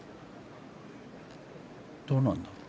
どうなんだろう。